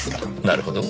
なるほど。